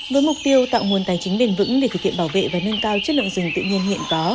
với mục tiêu tạo nguồn tài chính bền vững để thực hiện bảo vệ và nâng cao chất lượng rừng tự nhiên hiện có